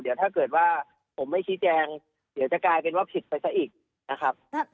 เดี๋ยวถ้าเกิดว่าผมไม่ชี้แจงเดี๋ยวจะกลายเป็นว่าผิดไปซะอีกนะครับ